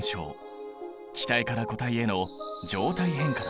気体から固体への状態変化だ。